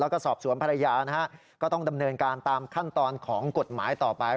แล้วก็สอบสวนภรรยานะฮะก็ต้องดำเนินการตามขั้นตอนของกฎหมายต่อไป